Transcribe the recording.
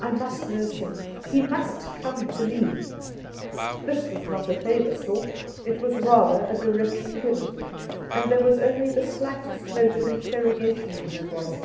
I must nurse him! He must come to me !' This was not a favour sought, it was rather a direction given, and there was only the slightest note of interrogation in her voice.